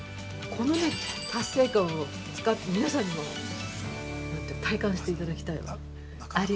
この達成感を、皆さんにも体感していただきたいわ。